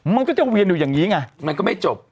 มันก็จะเวียนอยู่อย่างนี้ไงมันก็ไม่จบ